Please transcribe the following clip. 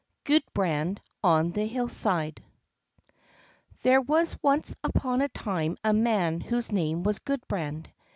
Gudbrand on the Hillside There was once upon a time a man whose name was Gudbrand.